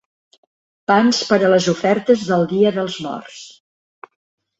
Pans per a les ofertes del dia dels Morts.